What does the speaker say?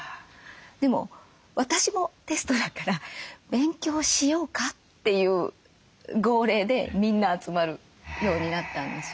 でも私もテストだから「勉強しようか」っていう号令でみんな集まるようになったんですよ。